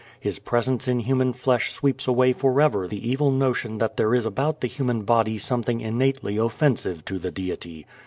His presence in human flesh sweeps away forever the evil notion that there is about the human body something innately offensive to the Deity.